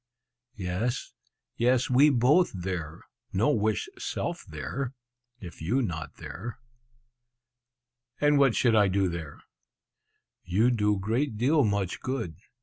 "Yes, yes, we both there; no wish self there, if you not there!" "And what should I do there?" "You do great deal much good!